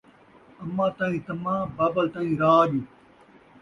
اماں تئیں طمع، بابل تئیں راڄ